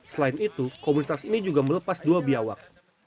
selain itu komunitas ini juga melepas dua biawak